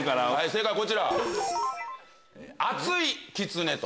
正解こちら。